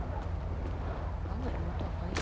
ファンの妹はファンよ。